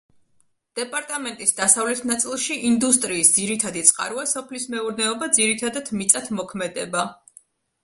დეპარტამენტის დასავლეთ ნაწილში, ინდუსტრიის ძირითადი წყაროა სოფლის მეურნეობა, ძირითადად მიწათმოქმედება.